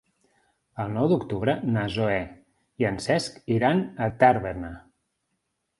El nou d'octubre na Zoè i en Cesc iran a Tàrbena.